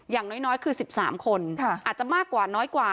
อย่างน้อยคือ๑๓คนอาจจะมากกว่าน้อยกว่า